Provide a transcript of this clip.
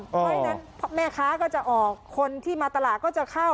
เพราะฉะนั้นแม่ค้าก็จะออกคนที่มาตลาดก็จะเข้า